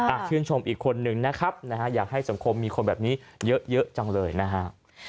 ชื่นชมอีกคนนึงนะครับนะฮะอยากให้สังคมมีคนแบบนี้เยอะเยอะจังเลยนะฮะ